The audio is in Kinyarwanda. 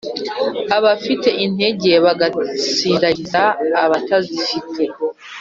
abafite intege bagasindagiza abatazifite